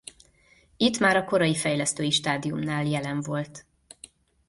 Itt már a korai fejlesztői stádiumnál jelen volt.